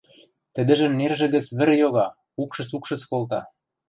Тӹдӹжӹн нержӹ гӹц вӹр йога, укшыц-укшыц колта.